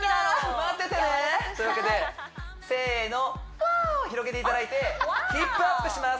待っててねー！というわけでせーのワーオ広げていただいてヒップアップします